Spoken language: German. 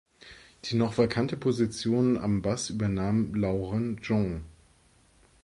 Die noch vakante Position am Bass übernahm Laurent Jean.